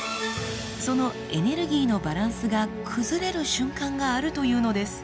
そのエネルギーのバランスが崩れる瞬間があるというのです。